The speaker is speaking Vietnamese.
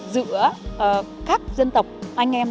giữa các dân tộc anh em